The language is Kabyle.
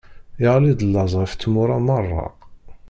Iɣli-d laẓ ɣef tmura meṛṛa.